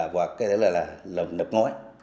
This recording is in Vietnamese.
hoặc là lầm nập ngói